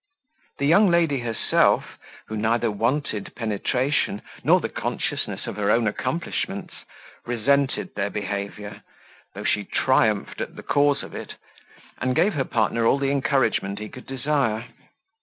The young lady herself, who neither wanted penetration nor the consciousness of her own accomplishments, resented their behaviour, though she triumphed at the cause of it, and gave her partner all the encouragement he could desire.